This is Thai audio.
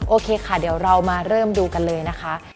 โอเคค่ะเดี๋ยวเรามาเริ่มดูกันเลยนะคะ